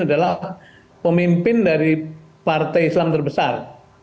adalah pemimpin dari partai islam terbesar